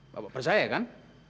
bapak percaya kan